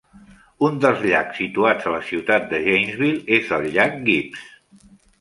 Un dels llacs situats a la ciutat de Janesville és el llac Gibbs.